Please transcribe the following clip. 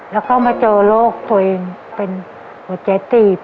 แล้วก็มาเจอโรคตัวเองเป็นหัวใจตีบ